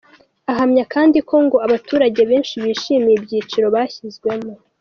Ahamya kandi ko ngo abaturage benshi bishimiye ibyiciro bashyizwemo.